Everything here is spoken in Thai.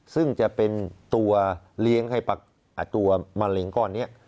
ซึ่งจะเป็นตัวเลี้ยงให้ตัวมะเร็งก้อนนี้